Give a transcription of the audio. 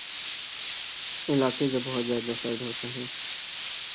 علاقے جو بہت زیادہ سرد ہوتے ہیں